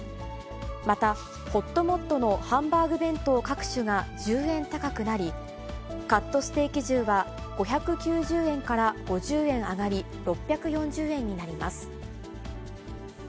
また、ほっともっとのハンバーグ弁当各種が１０円高くなり、カットステーキ重は、５９０円から５０円上がり、６４０円になります。